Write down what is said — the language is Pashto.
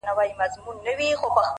او ته خبر د کوم غریب د کور له حاله یې”